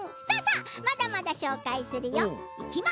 まだまだ紹介するよ。